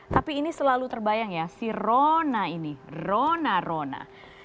tapi ini selalu terbayang ya si rona ini rona rona